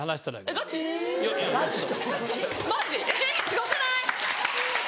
えっすごくない？